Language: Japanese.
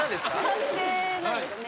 確定なんですね